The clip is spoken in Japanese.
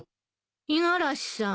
五十嵐さん。